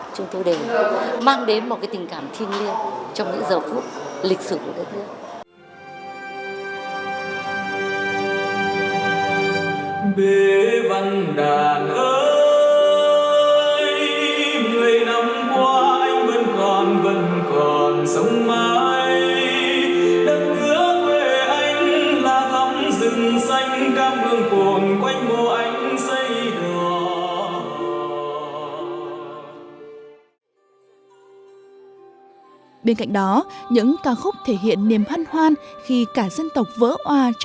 chúng tôi để mang đến một cái tình cảm thiêng liêng trong những giờ phút lịch sử của đất nước